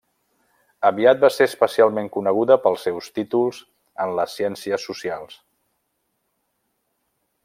Aviat va ser especialment coneguda pels seus títols en les ciències socials.